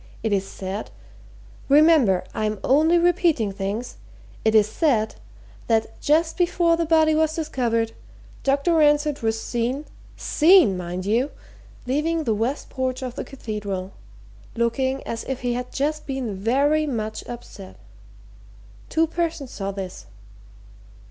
"It's said remember, I'm only repeating things it's said that just before the body was discovered, Dr. Ransford was seen seen, mind you! leaving the west porch of the Cathedral, looking as if he had just been very much upset. Two persons saw this."